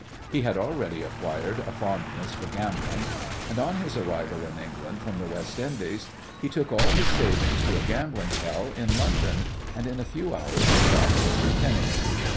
He had already acquired a fondness for gambling, and on his arrival in England from the West Indies he took all his savings to a gambling hell in London, and in a few hours lost every penny.